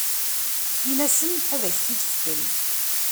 Ini-asen ad ak-t-id-fken.